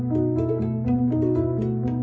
perj alya untuk kejar manila